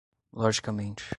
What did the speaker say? logicamente